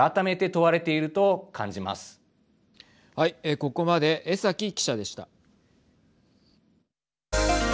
ここまで江崎記者でした。